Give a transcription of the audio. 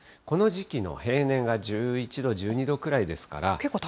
この時期の平年が１１度、１２度くらいですから。